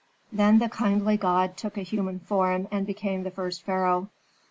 Then the kindly god took a human form and became the first pharaoh.